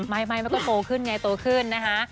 ไม่มันก็โตขึ้นไงโตขึ้นนะคะ